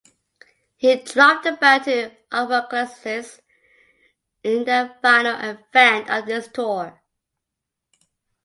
He dropped the belt to Apocalipsis in the final event of this tour.